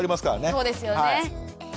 そうですよね。